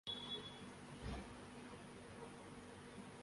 قبروں پر آج بھی پھول چڑھائے جا رہے ہیں